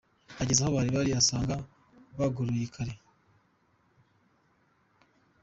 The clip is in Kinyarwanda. Ageze aho bari bari asanga bogoroye kare.